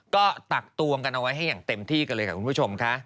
ก็ตักตวงกันเอาไว้ให้อย่างเต็มที่กันเลยค่ะคุณผู้ชมค่ะ